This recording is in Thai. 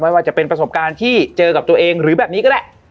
ว่าจะเป็นประสบการณ์ที่เจอกับตัวเองหรือแบบนี้ก็ได้